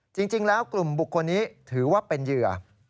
จริงแล้วกลุ่มบุคคลนี้ถือว่าเป็นเหยื่อ